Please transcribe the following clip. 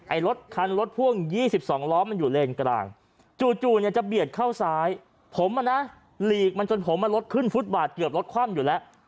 รถคันรถพ่วง๒๒ล้อมันอยู่เลนกลางจู่เนี่ยจะเบียดเข้าซ้ายผมอ่ะนะหลีกมันจนผมมารถขึ้นฟุตบาทเกือบรถคว่ำอยู่แล้ว